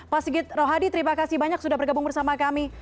pak sigit rohadi terima kasih banyak sudah bergabung bersama kami